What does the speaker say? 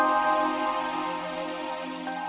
masalah terjadi menyebabkan peninggalan alimentasi mudah bersih